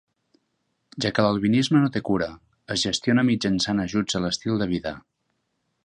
Ja que l'albinisme no té cura, es gestiona mitjançant ajusts a l'estil de vida.